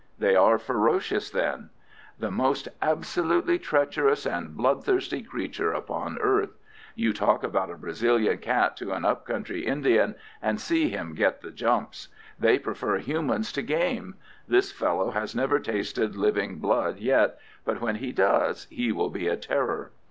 "They are ferocious, then?" "The most absolutely treacherous and blood thirsty creatures upon earth. You talk about a Brazilian cat to an up country Indian, and see him get the jumps. They prefer humans to game. This fellow has never tasted living blood yet, but when he does he will be a terror.